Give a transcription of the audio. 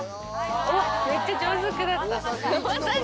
おっめっちゃ上手くなった。